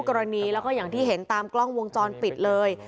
กรณีแล้วก็อย่างที่เห็นตามกล้องวงจรปิดเลย